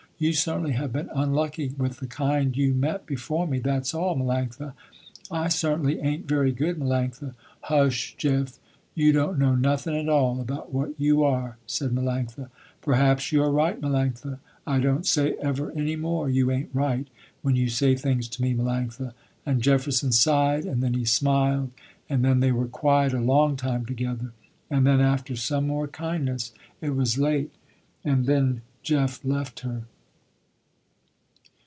You certainly have been unlucky with the kind you met before me, that's all, Melanctha. I certainly ain't very good, Melanctha." "Hush, Jeff, you don't know nothing at all about what you are," said Melanctha. "Perhaps you are right, Melanctha. I don't say ever any more, you ain't right, when you say things to me, Melanctha," and Jefferson sighed, and then he smiled, and then they were quiet a long time together, and then after some more kindness, it was late, and then Jeff left her.